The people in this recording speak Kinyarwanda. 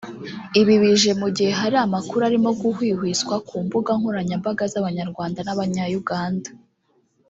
Ibi bije mu gihe hari amakuru arimo guhwihwiswa ku mbuga nkoranyambaga z’abanyarwanda n’abanya Uganda